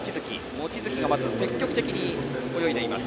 望月が積極的に泳いでいます。